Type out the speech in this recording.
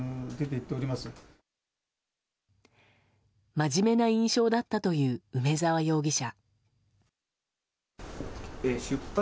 真面目な印象だったという梅沢容疑者。